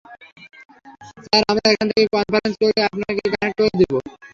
Sir, আমরা এখান থেকে কনফারেন্স করে আপনাকে কানেক্ট করে দিবো কেনো?